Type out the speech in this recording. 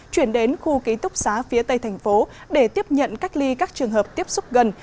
chuyển đến khu ký túc xá phía tây thành phố để tiếp nhận cách ly các trường hợp tiếp xúc gần